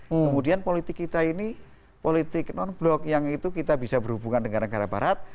kemudian politik kita ini politik non blok yang itu kita bisa berhubungan dengan negara barat